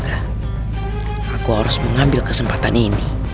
aku harus mengambil kesempatan ini